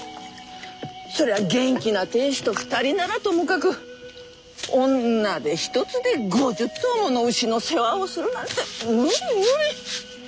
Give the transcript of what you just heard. そりゃ元気な亭主と二人ならともかく女手一つで５０頭もの牛の世話をするなんて無理無理。